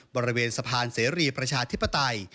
บริเวณสะพานเสรีประชาธิปไตย